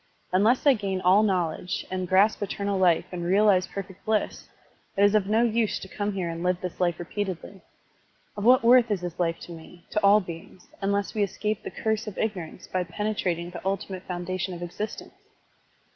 Unless I gain all knowledge and grasp eternal life and realize perfect bliss, it is of no use to come here and live this life repeatedly. Of what worth is this life to me, to all beings, tmless we escape the curse of ignorance by penetrating the ultimate foundation of existence?